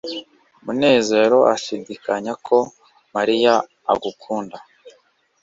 munezero ashidikanya ko mariya agukunda